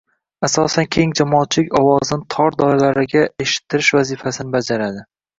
asosan keng jamoatchilik ovozini tor doiralarga eshittirish vazifasini bajaradi.